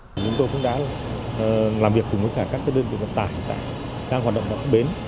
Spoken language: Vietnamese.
chúng tôi cũng đã làm việc cùng với các đơn vị vận tài đang hoạt động vào các bến